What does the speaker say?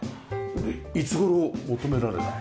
いつ頃求められたの？